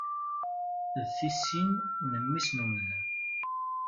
D tisin n Mmi-s n umdan.